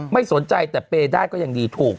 ไม่สนใจแต่เปย์ได้ก็ยังดีถูก